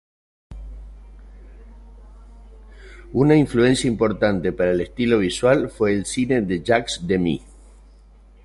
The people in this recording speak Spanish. Una influencia importante para el estilo visual fue el cine de Jacques Demy.